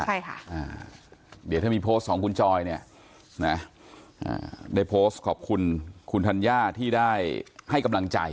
ใช่ค่ะอ่าเดี๋ยวถ้ามีโพสต์ของคุณจอยเนี่ยนะได้โพสต์ขอบคุณคุณธัญญาที่ได้ให้กำลังใจ